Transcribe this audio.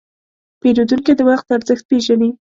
پیرودونکی د وخت ارزښت پېژني.